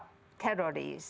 kenapa fpi dicap teroris